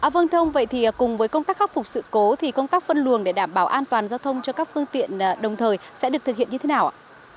vâng thông vậy thì cùng với công tác khắc phục sự cố thì công tác phân luồng để đảm bảo an toàn giao thông cho các phương tiện đồng thời sẽ được thực hiện như thế nào ạ